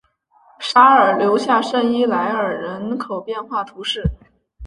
沙尔留下圣伊莱尔人口变化图示